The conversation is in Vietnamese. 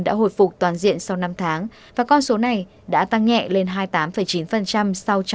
đã hồi phục toàn diện sau năm tháng và con số này đã tăng nhẹ lên hai mươi tám chín sau trò một năm